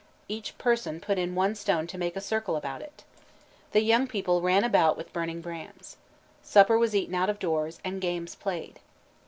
Each person put in one stone to make a circle about it. The young people ran about with burning brands. Supper was eaten out of doors, and games played.